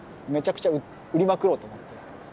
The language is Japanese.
めちゃくちゃ売りまくろうと思って。